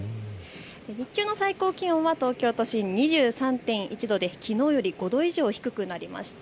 日中の最高気温は東京都心２３．１度で、きのうより５度以上低くなりました。